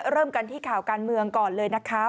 เริ่มกันที่ข่าวการเมืองก่อนเลยนะคะ